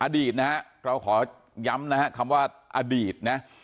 อดีตเราขอย้ำนะครับอดีต